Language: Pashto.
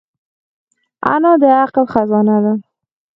انا د عقل خزانه ده